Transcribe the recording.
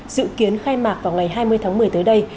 dự kiến khai mạc vào ngày hai mươi tháng một mươi tới đây